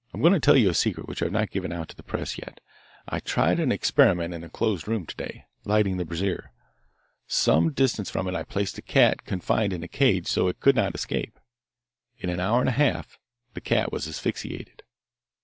"I'm going to tell you a secret which I have not given out to the press yet. I tried an experiment in a closed room today, lighting the brazier. Some distance from it I placed a cat confined in a cage so it could not escape. In an hour and a half the cat was asphyxiated."